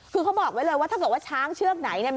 คือเขาบอกไว้เลยว่าถ้าเกิดว่าช้างเชือกไหนเนี่ย